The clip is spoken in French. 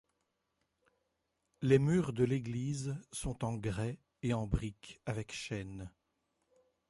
Les murs de l'Église sont en grès et en briques avec chaînes.